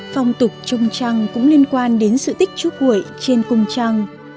phong tục trung trăng cũng liên quan đến sự tích chú quệ trên cung trăng